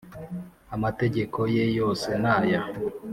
amategeko ye yose naya